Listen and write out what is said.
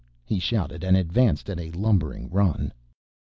he shouted and advanced at a lumbering run.